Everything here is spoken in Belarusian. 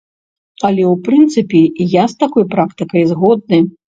Але ў прынцыпе я з такой практыкай згодны.